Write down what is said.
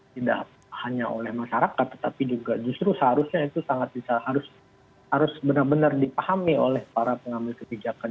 tidak hanya oleh masyarakat tetapi juga justru seharusnya itu sangat bisa harus benar benar dipahami oleh para pengambil kebijakan